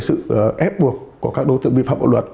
sự ép buộc của các đối tượng vi phạm đạo luật